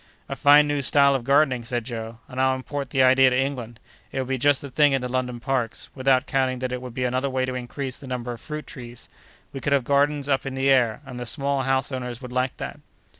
"A fine new style of gardening," said Joe, "and I'll import the idea to England. It would be just the thing in the London parks; without counting that it would be another way to increase the number of fruit trees. We could have gardens up in the air; and the small house owners would like that!"